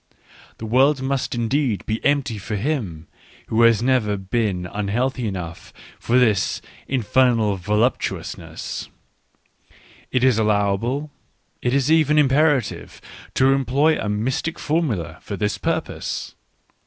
The world must indeed be empty for him who has never been un healthy enough for this " infernal voluptuousness ": it is allowable, it is even imperative, to employ a mystic formula for this purpose.